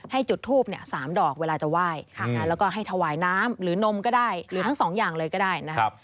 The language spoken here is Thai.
จุดทูป๓ดอกเวลาจะไหว้แล้วก็ให้ถวายน้ำหรือนมก็ได้หรือทั้งสองอย่างเลยก็ได้นะครับ